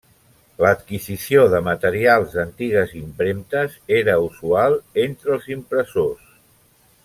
L'adquisició de materials d'antigues impremtes era usual entre els impressors.